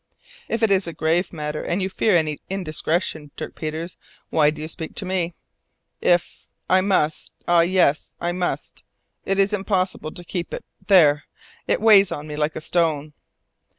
"If it is a grave matter, and you fear any indiscretion, Dirk Peters, why do you speak to me?" "If! I must! Ah, yes! I must! It is impossible to keep it there! It weighs on me like a stone."